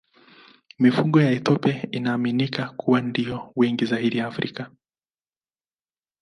Mifugo ya Ethiopia inaaminika kuwa ndiyo wengi zaidi Afrika.